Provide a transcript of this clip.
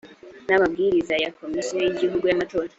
n’amabwiriza ya komisiyo y’igihugu y’amatora